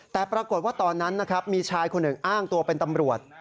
แต่ปรากฏว่าตอนนั้นนะครับมีชายคนหนึ่งอ้างตัวเป็นตำรวจ